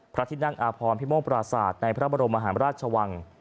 พระที่นั่งอาพรพิโมกปราศาสตร์ในพระบรมหาราชวัง